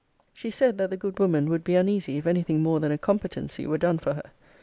She said, that the good woman would be uneasy if any thing more than a competency were done for her.